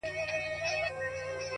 په مسجدونو کي چي لس کلونه ونه موندې!